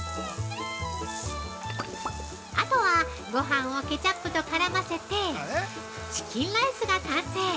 あとはごはんをケチャップと絡ませてチキンライスが完成。